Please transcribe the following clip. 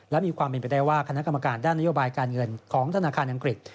และมีความเป็นไปได้ว่าคณะกรรมการด้านนโยบายการเงินของธนาคารอังกฤษ